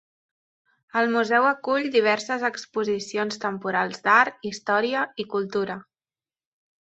El museu acull diverses exposicions temporals d'art, història i cultura.